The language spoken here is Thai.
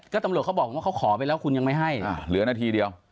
ก็ตำรวจเขาบอกว่าเขาขอไปแล้วคุณยังไม่ให้เหลือนาทีเดียว